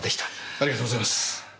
ありがとうございます。